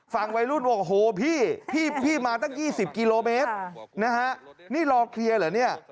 ฝ่ายไวรุสว่าโอ้โฮพี่พี่มาตั้ง๒๐กิโลเมตรนี่รอเคลียร์เหรอ